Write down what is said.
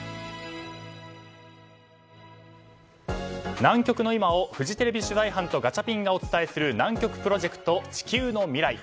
南極の今をフジテレビ取材班とガチャピンがお伝えする南極プロジェクト地球のミライ。